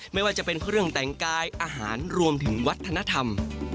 ไม่ว่าจะเป็นเครื่องแต่งกายอาหารรวมถึงวัฒนธรรม